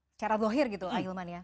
secara dohir gitu ah ilman ya